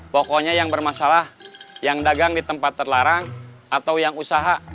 pokoknya yang bermasalah yang dagang di tempat terlarang atau yang usaha